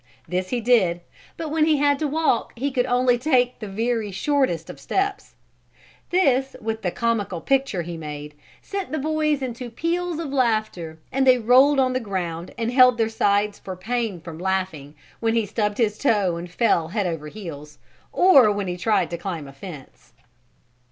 This he did, but when he had to walk he could only take the very shortest of steps. This, with the comical picture he made, sent the boys into peals of laughter, and they rolled on the ground and held their sides for pain from laughing when he stubbed his toe and fell head over heels, or when he tried to climb a fence.